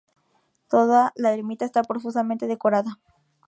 Toda la Ermita está profusamente decorada.